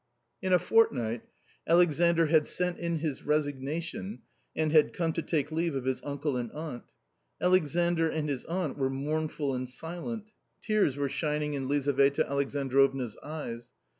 In a fortnight Alexandr had sent in his resignation and had come to fake leave of his uncle and aunt. Alexandr and his aunt were mournful and silent. Tears were shining in Lizaveta Alexandrovna's eyes.